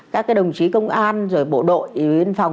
các đồng chí công an rồi bộ đội biên phòng